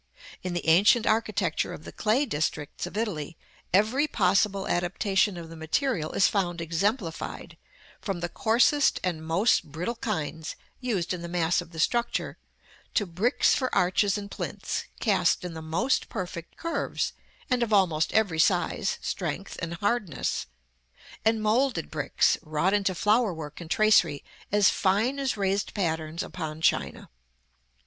In the ancient architecture of the clay districts of Italy, every possible adaptation of the material is found exemplified: from the coarsest and most brittle kinds, used in the mass of the structure, to bricks for arches and plinths, cast in the most perfect curves, and of almost every size, strength, and hardness; and moulded bricks, wrought into flower work and tracery as fine as raised patterns upon china.